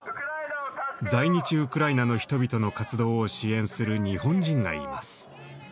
在日ウクライナの人々の活動を支援する日本人がいます。